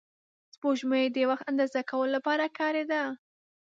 سپوږمۍ د وخت اندازه کولو لپاره کارېده